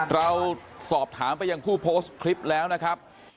เราสอบถามไปยังผู้โพสต์คลิปแล้วนะครับ